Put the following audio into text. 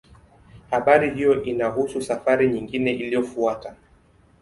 Habari hiyo inahusu safari nyingine iliyofuata.